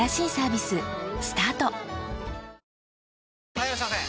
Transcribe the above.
・はいいらっしゃいませ！